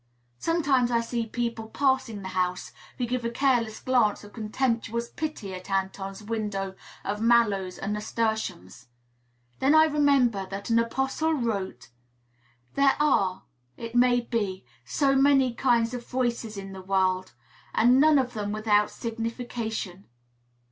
Sometimes I see people passing the house, who give a careless glance of contemptuous pity at Anton's window of mallows and nasturtiums. Then I remember that an apostle wrote: "There are, it may be, so many kinds of voices in the world, and none of them is without signification.